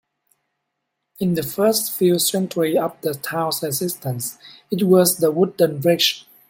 In the first few centuries of the town's existence, it was a wooden bridge.